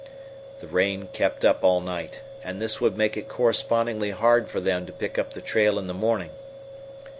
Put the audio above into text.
The rain kept up all night, and this would make it correspondingly hard for them to pick up the trail in the morning.